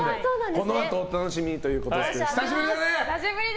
このあとお楽しみにということで久しぶりだね！